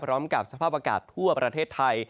พร้อมกับสภาพอากาศทั่วประเทศไทย